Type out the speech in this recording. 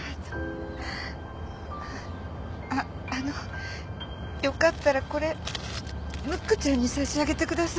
あっあのよかったらこれムックちゃんに差し上げてください。